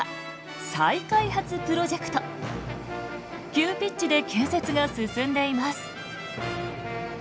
急ピッチで建設が進んでいます。